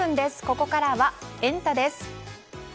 ここからはエンタ！です。